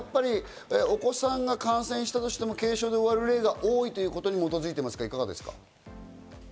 お子さんが感染したとしても軽症で終わる例が多いということに基づいていますか？